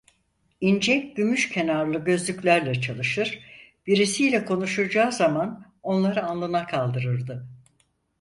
İnce gümüş kenarlı gözlüklerle çalışır, birisiyle konuşacağı zaman onları alnına kaldırırdı.